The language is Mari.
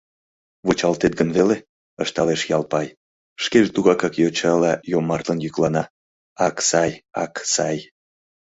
— Вучалтет гын веле... — ышталеш Ялпай, шкеже тугакак йочала йомартлын йӱклана: — Ак сай, ак сай...